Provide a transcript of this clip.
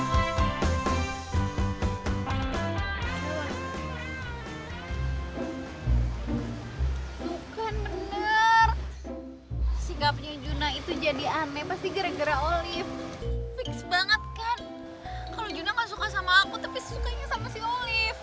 kalau juna gak suka sama aku tapi sukanya sama si olive